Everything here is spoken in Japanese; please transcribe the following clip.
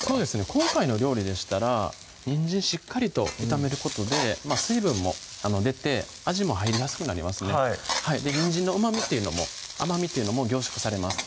今回の料理でしたらにんじんしっかりと炒めることで水分も出て味も入りやすくなりますのでにんじんのうまみっていうのも甘みっていうのも凝縮されます